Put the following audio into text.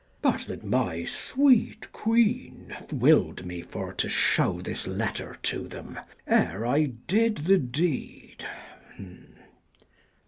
But that my sweet queen will'd me for to shew 35 This letter to them, ere I did the deed.